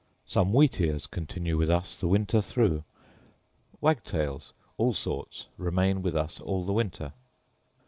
Some wheat ears continue with us the winter through. Wagtails, all sorts, remain with us all the winter.